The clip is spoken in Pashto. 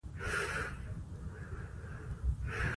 دځنګل حاصلات د افغانستان یوه طبیعي ځانګړتیا ده.